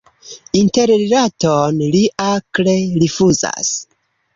Interrilaton li akre rifuzas.